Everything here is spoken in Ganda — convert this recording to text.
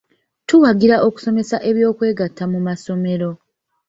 Tuwagira okusomesa eby'okwegatta mu masomero